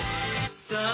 「さあ」